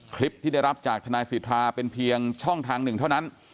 คลิปที่ได้รับจากทนายสิทธาเป็นเพียงช่องทางหนึ่งเท่านั้น